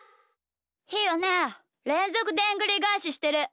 ひーはねれんぞくでんぐりがえししてる。